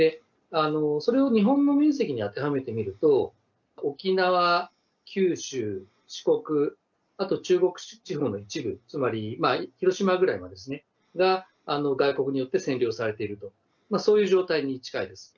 それを日本の面積に当てはめてみると、沖縄、九州、四国、あと中国地方の一部、つまり広島ぐらいまでは外国によって占領されていると、そういう状態に近いです。